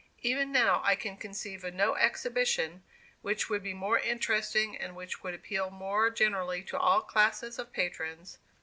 Even now, I can conceive of no exhibition which would be more interesting and which would appeal more generally to all classes of patrons.